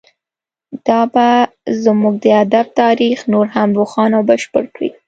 دا به زموږ د ادب تاریخ نور هم روښانه او بشپړ کړي